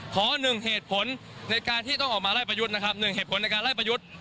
หนึ่งเหตุผลในการที่ต้องออกมาไล่ประยุทธ์นะครับ๑เหตุผลในการไล่ประยุทธ์